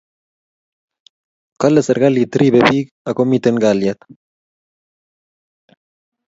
Kale serkalit ribe pik ako miten kalyet